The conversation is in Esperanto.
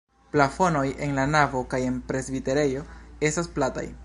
Plafonoj en la navo kaj en presbiterejo estas plataj.